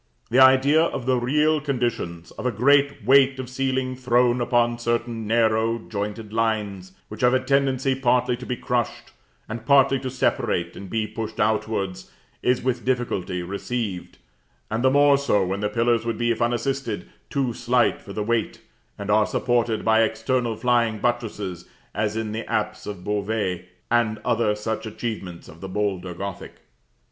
The idea of the real conditions, of a great weight of ceiling thrown upon certain narrow, jointed lines, which have a tendency partly to be crushed, and partly to separate and be pushed outwards, is with difficulty received; and the more so when the pillars would be, if unassisted, too slight for the weight, and are supported by external flying buttresses, as in the apse of Beauvais, and other such achievements of the bolder Gothic.